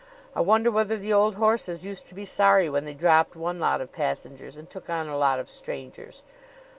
I wonder whether the old horses used to be sorry when they dropped one lot of passengers and took on a lot of strangers?"